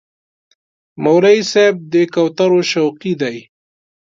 مولوي صاحب د کوترو شوقي دی.